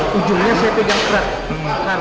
karena itu tidak harus terkait dengan alat